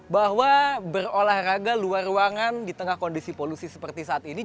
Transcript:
bahwa berolahraga luar ruangan di tengah kondisi polusi seperti saat ini